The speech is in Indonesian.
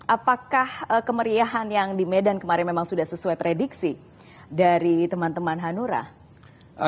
apakah kemeriahan yang di medan kemarin memang sudah sesuai prediksi dari teman teman hanura